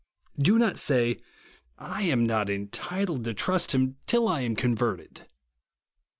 Do not say I am not entitled to trust him till I am converted.